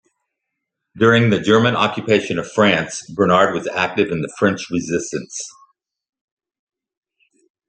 During the German occupation of France, Bernard was active in the French resistance.